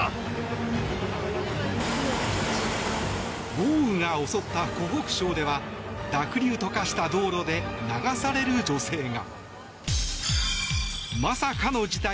豪雨が襲った湖北省では濁流と化した道路で流される女性が。